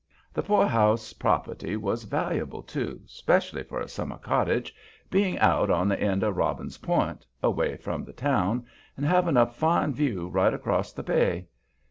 The poorhouse property was valuable, too, specially for a summer cottage, being out on the end of Robbin's Point, away from the town, and having a fine view right across the bay.